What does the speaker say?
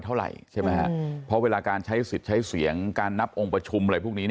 ใช่ไหมครับเพราะเวลาการใช้สิทธิ์ใช้เสียงการนับองค์ประชุมอะไรพวกนี้